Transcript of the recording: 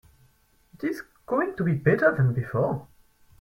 It is going to be better than before.